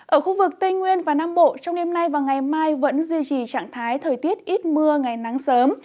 ở khu vực tây nguyên và nam bộ trong đêm nay và ngày mai vẫn duy trì trạng thái thời tiết ít mưa ngày nắng sớm